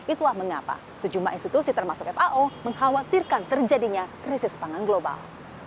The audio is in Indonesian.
itulah mengapa sejumlah institusi termasuk fao mengkhawatirkan terjadinya krisis pangan global